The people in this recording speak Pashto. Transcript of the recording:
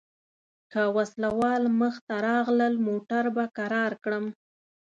که وسله وال مخته راغلل موټر به کرار کړم.